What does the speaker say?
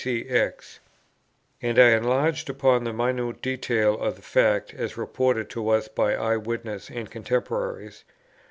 ccx. And I enlarged upon the minute details of the fact as reported to us by eye witnesses and contemporaries.